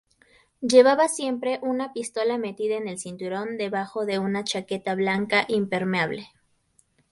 Lleva siempre una pistola metida en el cinturón, debajo de una chaqueta blanca impermeable.